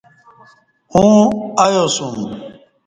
اوں ایاسوم